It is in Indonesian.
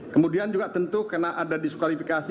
kemudian juga tentu karena ada diskualifikasi